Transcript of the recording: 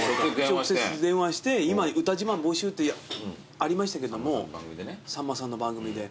直接電話して「今歌自慢募集ってありましたけどもさんまさんの番組で。